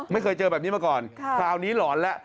ไม่เคยเจอแบบนี้มาก่อนคราวนี้หลอนแล้ว